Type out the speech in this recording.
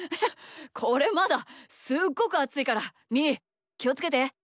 これまだすっごくあついからみーきをつけて。